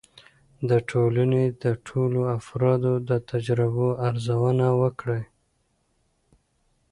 د ټولنې د ټولو افرادو د تجربو ارزونه وکړئ.